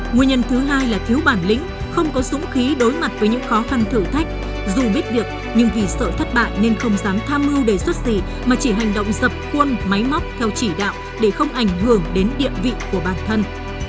nguyên nhân thứ hai là thiếu bản lĩnh không có dũng khí đối mặt với những khó khăn thử thách dù biết việc nhưng vì sợ thất bại nên không dám tham mưu đề xuất gì mà chỉ hành động dập khuôn máy móc theo chỉ đạo để không ảnh hưởng đến địa vị của bản thân